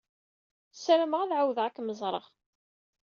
Sarameɣ ad ɛawdeɣ ad kem-ẓreɣ.